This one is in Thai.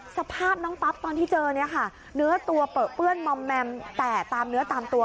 สภาพน้องปั๊บตอนที่เจอเนี่ยค่ะเนื้อตัวเปลือเปื้อนมอมแมมแตกตามเนื้อตามตัว